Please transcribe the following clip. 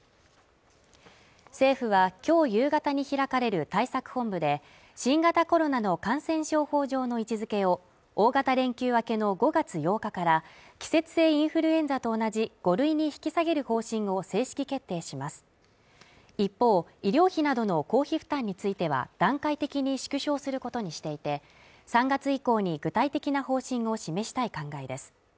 政府はきょう夕方に開かれる対策本部で新型コロナの感染症法上の位置づけを大型連休明けの５月８日から季節性インフルエンザと同じ５類に引き下げる方針を正式決定します一方、医療費などの公費負担については段階的に縮小することにしていて３月以降に具体的な方針を示したい考えです